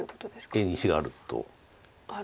Ａに石があると。